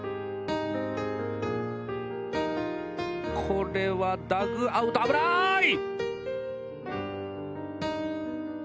これはダグアウト、危ない！